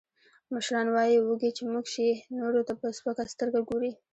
مشران وایي: وږی چې موړ شي، نورو ته په سپکه سترګه ګوري.